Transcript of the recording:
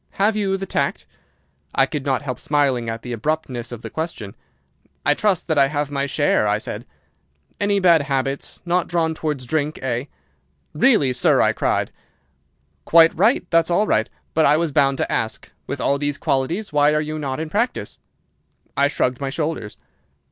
Have you the tact?' "I could not help smiling at the abruptness of the question. "'I trust that I have my share,' I said. "'Any bad habits? Not drawn towards drink, eh?' "'Really, sir!' I cried. "'Quite right! That's all right! But I was bound to ask. With all these qualities, why are you not in practice?' "I shrugged my shoulders.